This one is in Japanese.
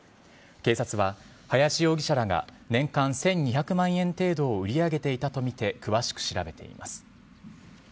警察は林容疑者らが年間１２００万円程度を売り上げていたとみて詳しく調べています。